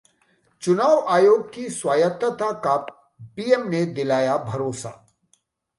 चुनाव आयोग की स्वायत्तता का पीएम ने दिलाया भरोसा